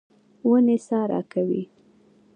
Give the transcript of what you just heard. ونې سا راکوي.